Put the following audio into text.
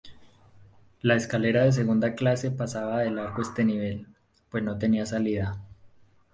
La escalera de segunda clase pasaba de largo este nivel, pues no tenía salida.